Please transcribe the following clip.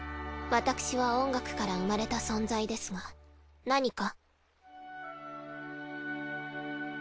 私は音楽から生まれた存在ですが何か？